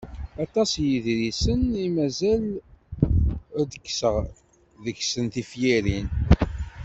Aṭas n yiḍrisen i mazal ad d-kkseɣ seg-sen tifyirin.